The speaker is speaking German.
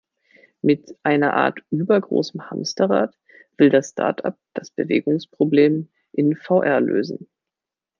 Mit einer Art übergroßem Hamsterrad, will das Startup das Bewegungsproblem in VR lösen.